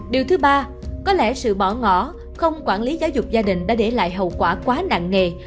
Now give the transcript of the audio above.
điều thứ ba có lẽ sự bỏ ngỏ không quản lý giáo dục gia đình đã để lại hậu quả quá nặng nề